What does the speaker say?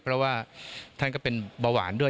เพราะว่าท่านก็เป็นเบาหวานด้วย